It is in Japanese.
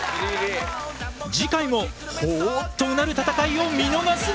次回もほぉっとうなる戦いを見逃すな！